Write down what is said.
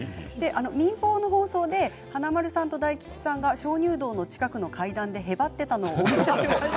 民放の放送で華丸さんと大吉さんが鍾乳洞の近くの階段でへばっていたのを思い出しました。